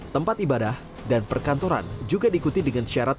tempat ibadah dan perkantoran juga diikuti dengan syarat